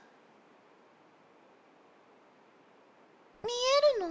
見えるの？